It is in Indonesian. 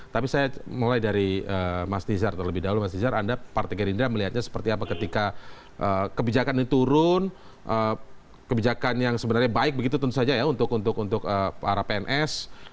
tapi saya mulai dari mas nizar terlebih dahulu mas nizar anda partai gerindra melihatnya seperti apa ketika kebijakan ini turun kebijakan yang sebenarnya baik begitu tentu saja ya untuk para pns